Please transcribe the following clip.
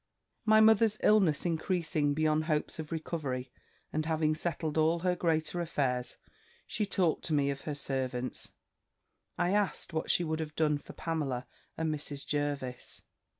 "My mother's illness increasing beyond hopes of recovery, and having settled all her greater affairs, she talked to me of her servants; I asked what she would have done for Pamela and Mrs. Jervis.